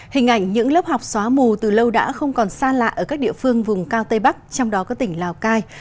hình ảnh những lớp học xóa mù từ lâu đã không còn xa lạ ở các địa phương vùng cao tây bắc trong đó có tỉnh lào cai